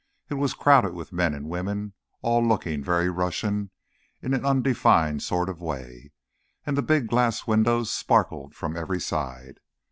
It was crowded with men and women, all looking very Russian in an undefined sort of way, and the big glass windows sparkled from every side.